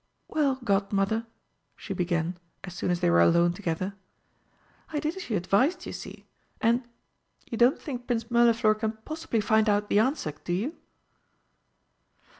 "Well, Godmother," she began, as soon as they were alone together, "I did as you advised, you see. And you don't think Prince Mirliflor can possibly find out the answer, do you?"